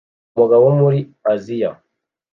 Umugabo wo muri Aziya